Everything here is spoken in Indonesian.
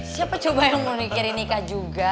siapa coba yang mau mikirin nikah juga